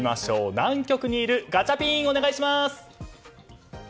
南極にいるガチャピンお願いします！